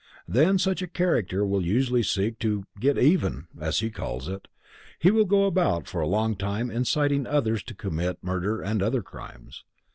Then such a character will usually seek to "get even" as he calls it, he will go about for a long time inciting others to commit murder and other crimes.